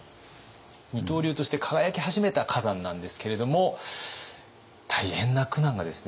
二刀流として輝き始めた崋山なんですけれども大変な苦難がですね